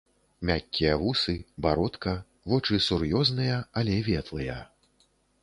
Мяккія вусы, бародка, вочы сур'ёзныя, але ветлыя.